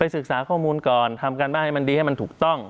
ศึกษาข้อมูลก่อนทำการบ้านให้มันดีให้มันถูกต้อง